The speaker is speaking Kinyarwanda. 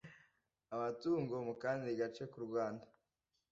amatungo mu kandi gace ku Rwanda